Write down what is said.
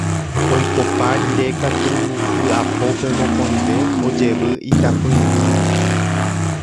Oikopa rire katu vy'apópe mokõive ojevy itapỹimíme.